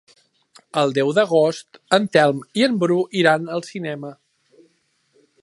El deu d'agost en Telm i en Bru iran al cinema.